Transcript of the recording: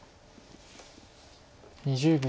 ２０秒。